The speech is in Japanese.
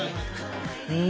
うん！